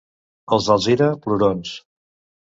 Els d'Alzira, plorons.